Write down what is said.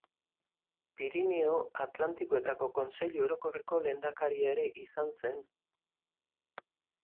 Pirinio Atlantikoetako Kontseilu Orokorreko lehendakaria ere izan zen.